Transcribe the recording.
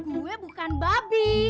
gue bukan babi